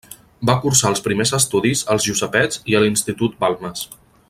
Va cursar els primers estudis als Josepets i a l'Institut Balmes.